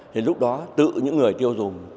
thì lúc đó tự những người tiêu dùng